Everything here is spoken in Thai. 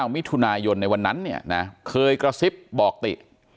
มิถุนายนในวันนั้นเนี่ยนะเคยกระซิบบอกติ